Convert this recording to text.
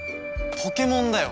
ポケモンだよ！